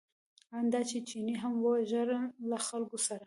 ان دا چې چیني هم وژړل له خلکو سره.